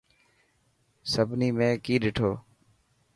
سڀني ۾ ڪئي ڏٺو.